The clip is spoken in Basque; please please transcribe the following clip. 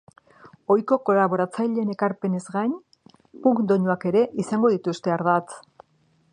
Ohiko kolaboratzaileen ekarpenez gain, punk doinuak ere izango dituzte ardatz.